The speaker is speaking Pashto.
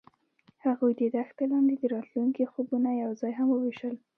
هغوی د دښته لاندې د راتلونکي خوبونه یوځای هم وویشل.